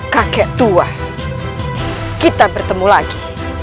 kakek tua kita bertemu lagi